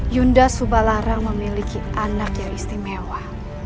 yunda subalarang memiliki anak yang istimewa